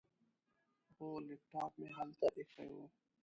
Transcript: هو، لیپټاپ مې هلته ایښی و.